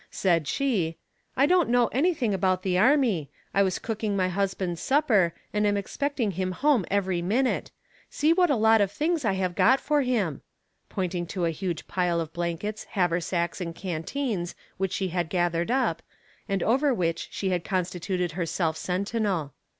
Said she: "I don't know anything about the army; I am cooking my husband's supper, and am expecting him home every minute; see what a lot of things I have got for him," pointing to a huge pile of blankets, haversacks and canteens which she had gathered up, and over which she had constituted herself sentinel.